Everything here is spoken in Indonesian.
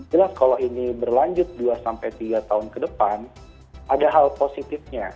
jelas kalau ini berlanjut dua sampai tiga tahun ke depan ada hal positifnya